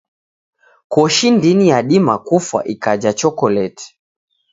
Koshi ndini yadima kufwa ikaja chokoleti.